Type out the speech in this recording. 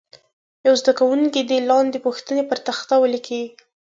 یو زده کوونکی دې لاندې پوښتنې پر تخته ولیکي.